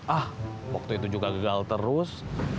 ah waktu itu juga gagal terus